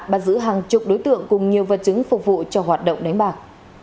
bắt giữ hàng chục đối tượng cùng nhiều vật chứng phục vụ cho hoạt động đánh bạc